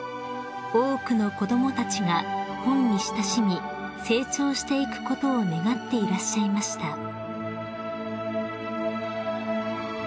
［多くの子供たちが本に親しみ成長していくことを願っていらっしゃいました］